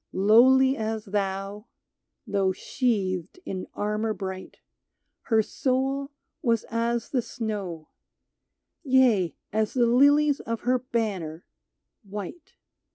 Lowly as thou (though sheathed in armor bright), Her soul was as the snow — Yea, as the lilies of her banner, white.